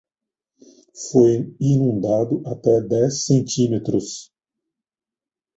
Foi inundado até dez centímetros.